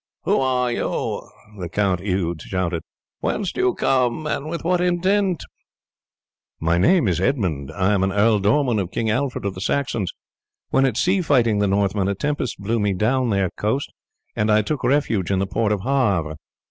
"Who are you?" the Count Eudes shouted. "Whence do you come and with what intent?" "My name is Edmund. I am an ealdorman of King Alfred of the Saxons. When at sea fighting the Northmen a tempest blew me down your coast, and I took refuge in the port of Havre.